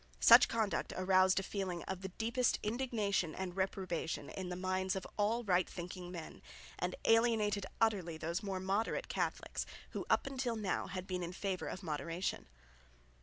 Such conduct aroused a feeling of the deepest indignation and reprobation in the minds of all right thinking men, and alienated utterly those more moderate Catholics who up till now had been in favour of moderation.